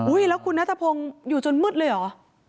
แล้วคุณนัทพงศ์อยู่จนมืดเลยเหรอ